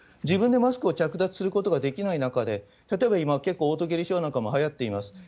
自分でマスクを着脱することができない中で、例えば今、結構おう吐、下痢症などもはやっています。